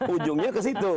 ujungnya ke situ